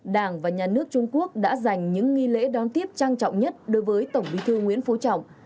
đảng và nhà nước trung quốc đã dành những nghi lễ đón tiếp trang trọng nhất đối với tổng bí thư nguyễn phú trọng